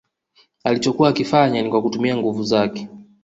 Alichokuwa akifanya ni kwa kutumia nguvu zake